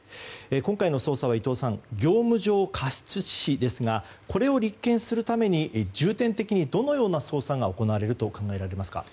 今回の捜査は伊藤さん業務上過失致死ですがこれを立件するために重点的にどのような捜査が行われると考えられますか？